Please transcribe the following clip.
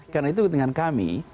karena itu dengan kami